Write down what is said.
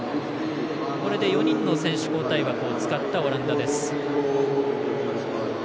これで４人の選手交代枠を使った、オランダです。